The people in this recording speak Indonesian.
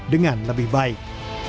dengan lebih baik